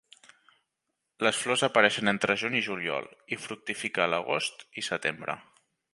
Les flors apareixen entre juny i juliol i fructifica a l'agost i setembre.